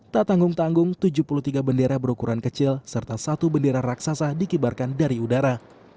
tak tanggung tanggung tujuh puluh tiga bendera berukuran kecil serta satu bendera raksasa dikibarkan dari udara